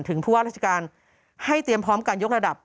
ผู้ว่าราชการให้เตรียมพร้อมการยกระดับ